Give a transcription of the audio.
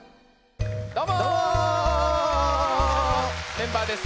メンバーです。